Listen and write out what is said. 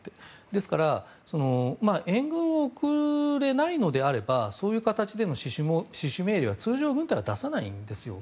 ですから、援軍を送れないならそういう形での命令を通常、軍隊は出さないんですよ。